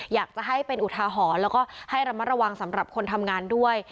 อยากจะให้เป็นอุทาหรณ์แล้วก็ให้ระมัดระวังสำหรับคนทำงานด้วย